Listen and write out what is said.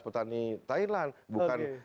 petani thailand bukan